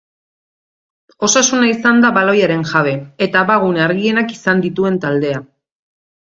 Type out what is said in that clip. Osasuna izan da baloiaren jabe, eta abagune argienak izan dituen taldea.